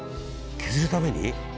削るために？